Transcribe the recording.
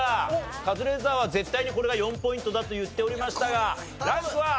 カズレーザーは絶対にこれが４ポイントだと言っておりましたがランクは？